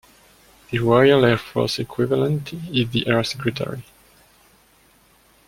The Royal Air Force equivalent is the Air Secretary.